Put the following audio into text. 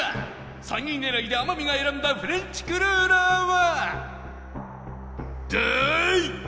３位狙いで天海が選んだフレンチクルーラーは